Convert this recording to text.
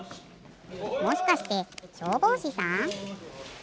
もしかしてしょうぼうしさん？